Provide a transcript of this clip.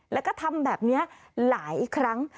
แล้วก็ทำแบบนี้หลายครั้ง